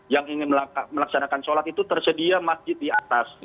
yang ingin melaksanakan sholat itu tersedia masjid di atas